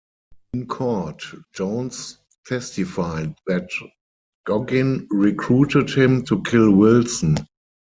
In court, Jones testified that Goggin recruited him to kill Wilson.